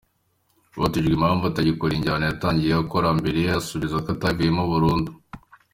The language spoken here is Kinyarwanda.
Yabajijwe impamvu atagikora injyana yatangiye akora mbere asubiza ko atayivuyemo burundu.